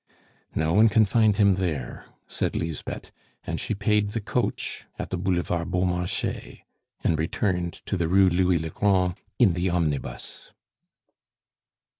"No one can find him there," said Lisbeth; and she paid the coach at the Boulevard Beaumarchais, and returned to the Rue Louis le Grand in the omnibus.